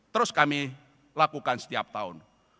terus kami lakukan setiap tahun